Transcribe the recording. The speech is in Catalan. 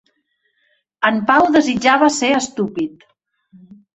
En Pau desitjava ser estúpid.